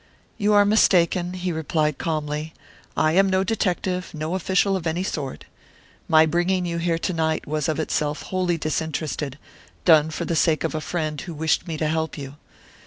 "You are mistaken," he replied, calmly; "I am no detective, no official of any sort. My bringing you here to night was of itself wholly disinterested, done for the sake of a friend who wished me to help you.